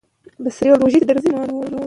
د رښتیني پرمختګ لپاره تعلیم اړین دی.